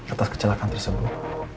atas kecelakaan tersebut